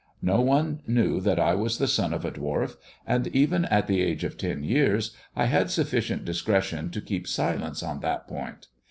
No one knew that I was the son of a dwarf, and even at the age of ten years I had sufficient discretion to keep silence on that point.